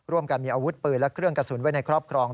ร่วมกันมีอาวุธปืนและเครื่องกระสุนไว้ในครอบครอง